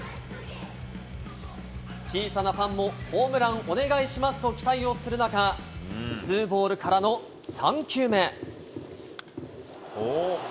小さなファンも、ホームランお願いしますと期待をする中、ツーボールからの３球目。